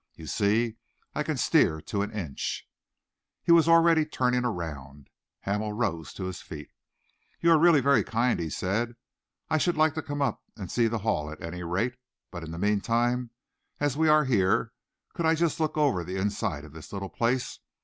You see, I can steer to an inch." He was already turning around. Hamel rose to his feet. "You are really very kind," he said. "I should like to come up and see the Hall, at any rate, but in the meantime, as we are here, could I just look over the inside of this little place?